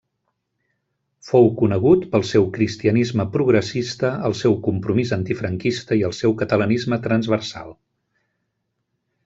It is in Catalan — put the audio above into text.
Fou conegut pel seu cristianisme progressista, el seu compromís antifranquista i el seu catalanisme transversal.